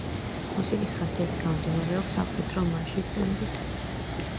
მუსიკის ხასიათი გამომდინარეობს სამხედრო მარშის ტემპით.